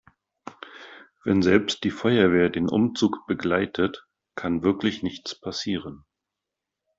Wenn selbst die Feuerwehr den Umzug begleitet, kann wirklich nichts passieren.